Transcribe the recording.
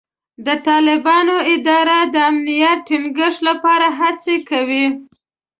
د طالبانو اداره د امنیت ټینګښت لپاره هڅې کوي.